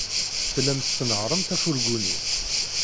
Tellamt tnehhṛemt afurgu-nni.